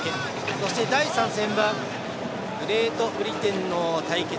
そして、第３戦はグレートブリテンの対決